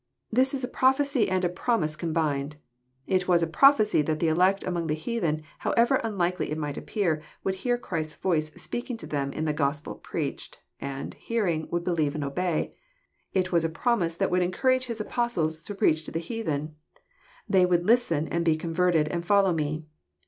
'] This is a prophecy and a promise combined. It was a prophecy that the elect among the heathen, however unlikely it might appear, would hear Christ's voice speaking to them in the Gospel preached ; and, hearing, would believe and obey. — It was a promise that would encourage His Apostles to preach to the heathen :" They will listen, and be converted, and follow Me.